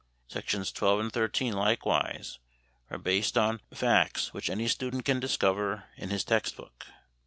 Sections 12 and 13 likewise are based on facts which any student can discover in his text book.